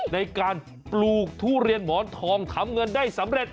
ในการปลูกทุเรียนหมอนทองทำเงินได้สำเร็จ